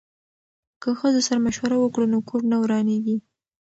که ښځو سره مشوره وکړو نو کور نه ورانیږي.